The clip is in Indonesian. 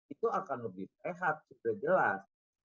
itu akan lebih sehat sudah jelas